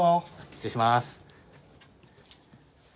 失礼します。